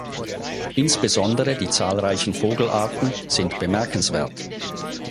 Insbesondere die zahlreichen Vogelarten sind bemerkenswert.